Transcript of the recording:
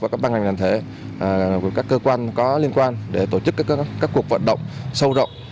và các ban ngành đoàn thể các cơ quan có liên quan để tổ chức các cuộc vận động sâu rộng